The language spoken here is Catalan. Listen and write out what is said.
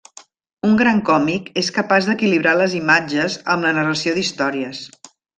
Un gran còmic és capaç d'equilibrar les imatges amb la narració d'històries.